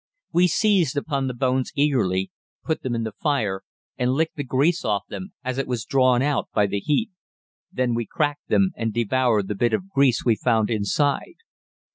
We seized upon the bones eagerly, put them in the fire and licked the grease off them as it was drawn out by the heat. Then we cracked them and devoured the bit of grease we found inside.